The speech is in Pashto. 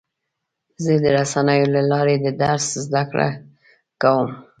زه د رسنیو له لارې د درس زده کړه کوم.